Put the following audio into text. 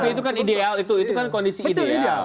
itu kan ideal itu kan kondisi ideal